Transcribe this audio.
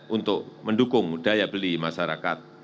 untuk mendukung daya beli masyarakat